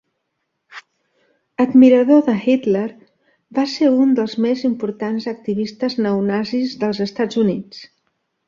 Admirador de Hitler, va ser un dels més importants activistes neonazis dels Estats Units.